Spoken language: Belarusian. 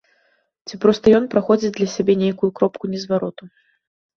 Ці проста ён праходзіць для сябе нейкую кропку незвароту.